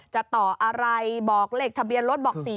จะต่ออะไรบอกเลขทะเบียนรถบอก๔๔